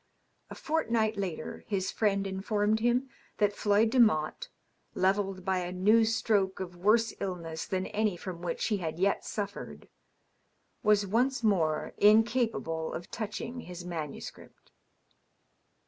A fortnight later his friend informed him that Floyd Demotte, levelled by a new stroke of worse illness than any from which he had yet suffered, was once more incapable of touching his manuscript.